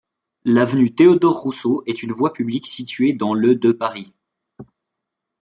L'avenue Théodore-Rousseau est une voie publique située dans le de Paris.